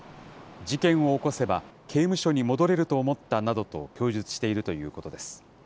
事件を起こせば刑務所に戻れると思ったなどと供述しているということです。